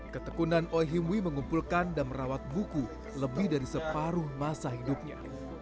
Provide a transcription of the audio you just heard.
ketekunan oi himwi mengumpulkan dan merawat buku lebih dari separuh masa hidupnya